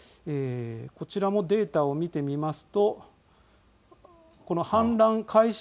こちらもデータを見てみるとこの氾濫開始